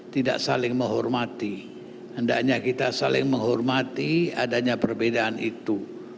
tidak saling menghormati hendaknya kita saling menghormati adanya perbedaan itu